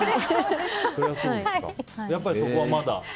やっぱり、そこはまだ？